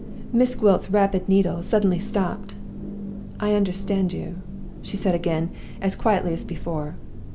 Miss Gwilt's rapid needle suddenly stopped. "I understand you," she said again, as quietly as before.